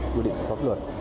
quy định pháp luật